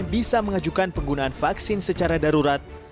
bisa mengajukan penggunaan vaksin secara darurat